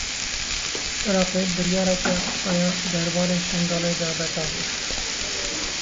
Iraqê biryareke xwe ya derbarê Şingalê de betal kir.